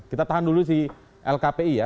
kita tahan dulu si lkpi ya